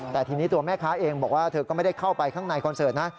แต่ทีนี้ตัวแม่ค้าเองบอกว่าเธอก็ไม่ได้เข้าไปข้างในคอนเสิร์ตนะ